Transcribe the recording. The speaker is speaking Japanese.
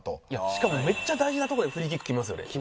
しかもめっちゃ大事なとこでフリーキック決めますよね。